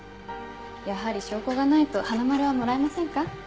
やはり証拠がないと花丸はもらえませんか？